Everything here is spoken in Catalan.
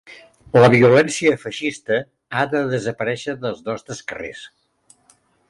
La violència feixista ha de desaparèixer dels nostres carrers.